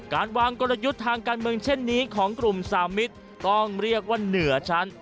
การวางกลยุทธ์ทางการเมืองเช่นนี้ของกลุ่มสามมิตรต้องเรียกว่าเหนือชั้น